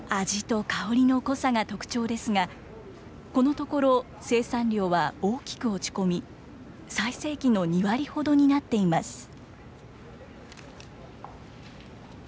味と香りの濃さが特徴ですが、このところ、生産量は大きく落ち込み、最盛期の２割ほどになっています。